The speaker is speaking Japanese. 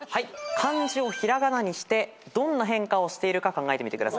漢字を平仮名にしてどんな変化をしているか考えてみてください。